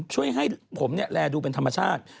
ช่วยให้ผมแลดูเป็นธรรมชาติ